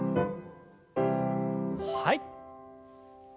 はい。